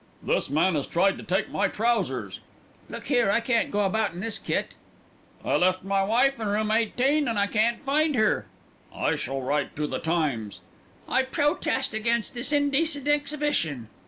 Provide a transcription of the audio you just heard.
"This man has tried to take my trousers." "Look here, I can't go about in this kit." "I left my wife in room 18, and I can't find her." "I shall write to The Times." "I protest against this indecent exhibition."